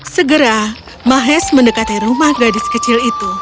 segera mahes mendekati rumah gadis kecil itu